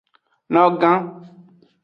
Nogan.